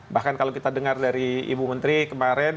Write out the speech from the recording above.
bahkan kalau kita dengar dari ibu menteri kemarin